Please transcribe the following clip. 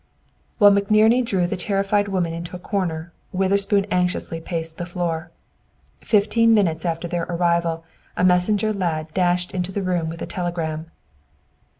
While McNerney drew the terrified woman into a corner, Witherspoon anxiously paced the floor. Fifteen minutes after their arrival, a messenger lad dashed into the room with a telegram.